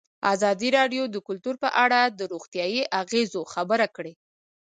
ازادي راډیو د کلتور په اړه د روغتیایي اغېزو خبره کړې.